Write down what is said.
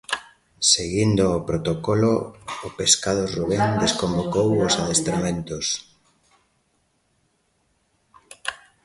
Seguindo o protocolo, o Pescados Rubén desconvocou os adestramentos.